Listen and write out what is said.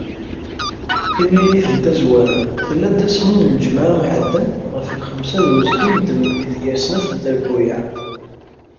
Timlilit n tazwara, tella-d ass-nni n lǧemɛa iɛeddan ɣef lxemsa d uzgen n tmeddit gar snat n trebbuyaɛ.